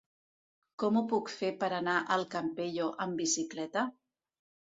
Com ho puc fer per anar al Campello amb bicicleta?